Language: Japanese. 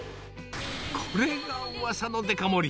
これがうわさのデカ盛り。